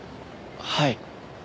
はい。